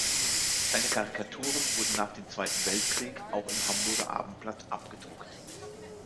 Seine Karikaturen wurden nach dem Zweiten Weltkrieg auch im Hamburger Abendblatt abgedruckt.